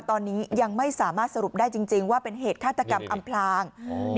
ตอนนี้ยังไม่สามารถสรุปได้จริงว่าเป็นเหตุฆาตกรรมอำพลาง